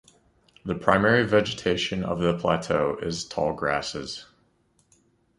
The primary vegetation of the plateau is tall grasses.